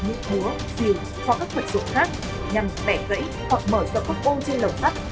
những búa diều có các vật dụng khác nhằm bẻ gãy hoặc mở sợi cốc ô trên lồng sắt